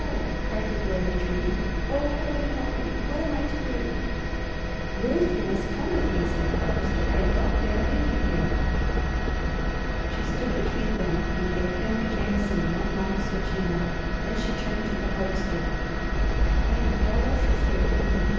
cried the Girl retreating. "Oh Heaven help me! What am I to do?" "Ruth, you must come with me," said the Harvester. "I don't dare leave you here." She stood between them and gave Henry Jameson one long, searching look. Then she turned to the Harvester. "I am far less afraid of you.